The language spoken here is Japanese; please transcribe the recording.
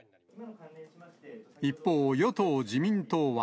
一方、与党・自民党は。